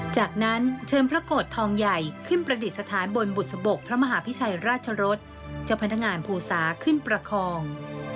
จากนั้นเชิญพระโกรธทองใหญ่ขึ้นประดิษฐานบนบุษบกพระมหาพิชัยราชรสเจ้าพนักงานภูสาขึ้นประคอง